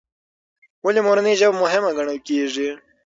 ولې مورنۍ ژبه مهمه ګڼل کېږي؟